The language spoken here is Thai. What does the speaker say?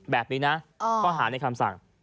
แบบนี้นะข้อหาในคำสั่ง